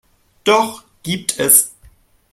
Doch gibt es.